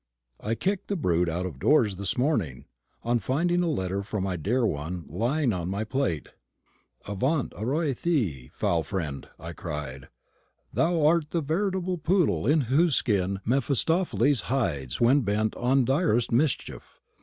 I kicked the brute out of doors this morning, on finding a letter from my dear one lying in my plate. "Avaunt, aroint thee, foul fiend!" I cried. "Thou art the veritable poodle in whose skin Mephistopheles hides when bent on direst mischief.